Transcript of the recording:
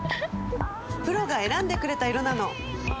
プロが選んでくれた色なの！